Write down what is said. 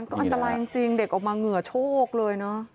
ก็อันตรายจริงเด็กออกมาเหงื่อโชคเลยเนอะ